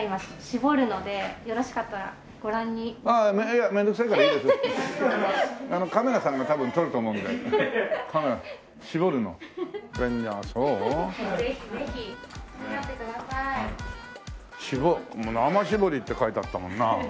絞まあ生絞りって書いてあったもんな。